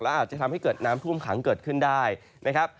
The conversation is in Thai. อาจจะทำให้เกิดน้ำท่วมขังเกิดขึ้นได้นะครับ